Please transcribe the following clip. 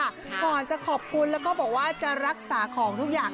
ก่อนจะขอบคุณแล้วก็บอกว่าจะรักษาของทุกอย่าง